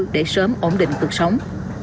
để sớm ổn định cuộc sống